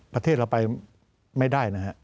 ประเทศเราไปไม่ได้นะฮะ